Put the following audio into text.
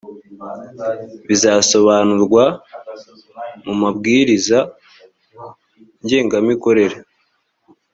bizasobanurwa mu mabwiriza ngengamikorere